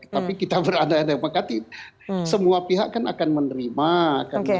tapi kita berada di makati semua pihak kan akan menerima akan melihat